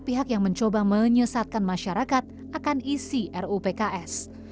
pihak yang mencoba menyesatkan masyarakat akan isi rupks